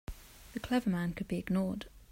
The clever men could be ignored.